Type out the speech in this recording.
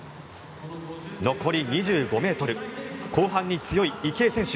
残り２５ｍ後半に強い池江選手